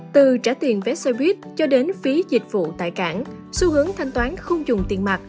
từ trả tiền vé xe buýt cho đến phí dịch vụ tại cảng xu hướng thanh toán không dùng tiền mặt